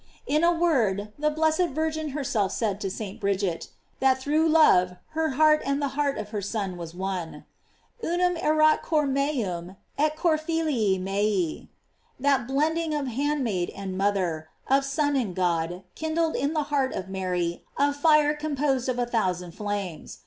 In a word, the blessed Virgin herself said to St. Bridget, that through love her heart and tie heart of her Son was one: "Urmm erat cor meum, et cor filii mei." That blending of hand maid and mother, of Son and God, kindled in the heart of Mary afire composed of a thousand flames.